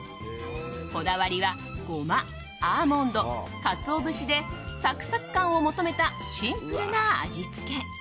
こだわりはゴマ、アーモンドカツオ節でサクサク感を求めたシンプルな味付け。